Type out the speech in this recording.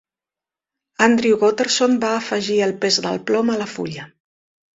Andrew Gotterson va afegir el pes del plom a la fulla.